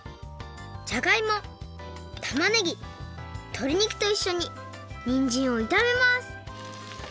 じゃがいもたまねぎとりにくといっしょににんじんをいためます